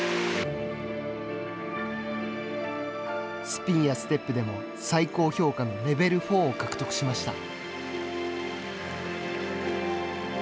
スピンやステップでも最高評価のレベル４を獲得しました。